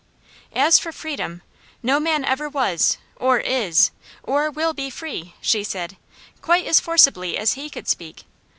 "As for freedom no man ever was, or is, or will be free," she said, quite as forcibly as he could speak.